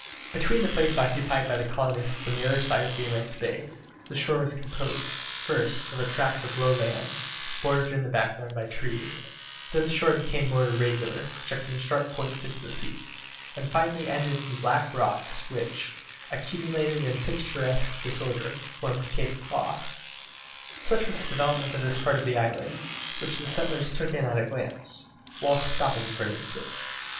Between the place occupied by the colonists and the other side of the immense bay, the shore was composed, first, of a tract of low land, bordered in the background by trees; then the shore became more irregular, projecting sharp points into the sea, and finally ended in the black rocks which, accumulated in picturesque disorder, formed Claw Cape. Such was the development of this part of the island, which the settlers took in at a glance, whilst stopping for an instant.